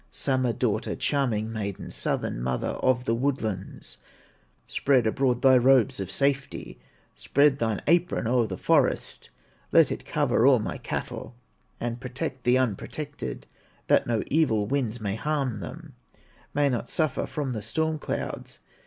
"Summer daughter, charming maiden, Southern mother of the woodlands, Spread abroad thy robes of safety, Spread thine apron o'er the forest, Let it cover all my cattle, And protect the unprotected, That no evil winds may harm them, May not suffer from the storm clouds.